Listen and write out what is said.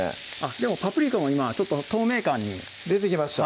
でもパプリカも今ちょっと透明感に出てきました？